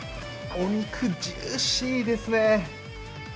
お肉、ジューシーですね。